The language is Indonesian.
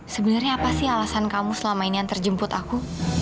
sebenarnya apa sih alasan kamu selama ini yang terjemput aku